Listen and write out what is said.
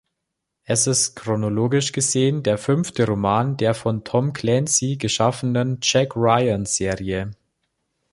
Es ist chronologisch gesehen der fünfte Roman der von Tom Clancy geschaffenen Jack-Ryan-Serie.